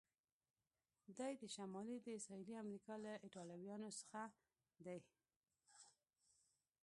دی د شمالي که د سهیلي امریکا له ایټالویانو څخه دی؟